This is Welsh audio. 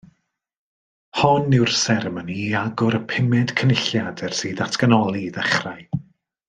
Hon yw'r seremoni i agor y pumed Cynulliad ers i ddatganoli ddechrau